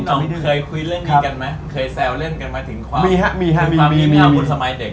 คุณกับพี่น้องเคยคุยเล่นดีกันไหมเคยแซวเล่นกันไหมถึงความมีงามคุณสมัยเด็ก